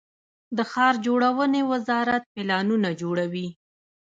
د ښار جوړونې وزارت پلانونه جوړوي